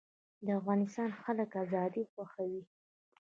د افغانستان خلک ازادي خوښوي